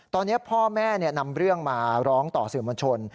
ตอนนี้พ่อแม่นำเรื่องมาร้องต่อสื่อมวลชน